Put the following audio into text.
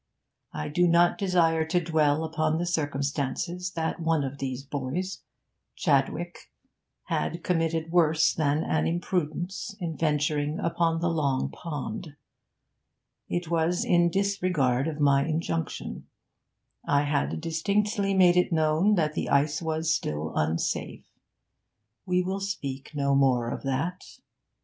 I do not desire to dwell upon the circumstance that one of these boys, Chadwick, had committed worse than an imprudence in venturing upon the Long Pond; it was in disregard of my injunction; I had distinctly made it known that the ice was still unsafe. We will speak no more of that.